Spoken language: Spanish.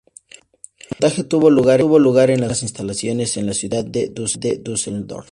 El montaje tuvo lugar en las modernas instalaciones en la ciudad de Düsseldorf.